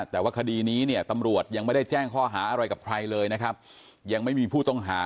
แต่ว่าคดีนี้เนี่ยตำรวจยังไม่ได้แจ้งข้อหาอะไรกับใครเลยนะครับยังไม่มีผู้ต้องหา